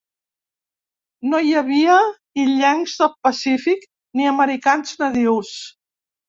No hi havia illencs del Pacífic ni americans nadius.